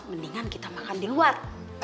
mendingan kita makan di luar